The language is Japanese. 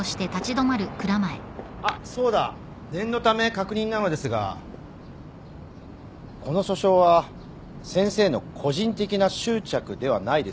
あっそうだ念のため確認なのですがこの訴訟は先生の個人的な執着ではないですよね？